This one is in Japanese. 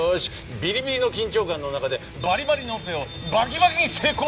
ビリビリの緊張感の中でバリバリのオペをバキバキに成功させてやる！